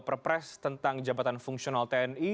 perpres tentang jabatan fungsional tni